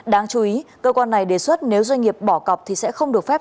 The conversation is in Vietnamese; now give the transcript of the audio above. đáng chú ý cơ quan này đề xuất nếu doanh nghiệp bỏ cọc thì sẽ không được phép